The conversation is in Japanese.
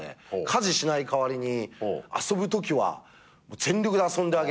家事しない代わりに遊ぶときは全力で遊んであげる。